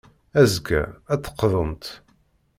Azekka, ad d-teqḍumt.